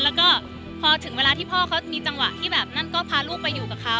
แล้วก็พอถึงเวลาที่พ่อเขามีจังหวะที่แบบนั่นก็พาลูกไปอยู่กับเขา